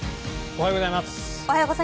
おはようございます。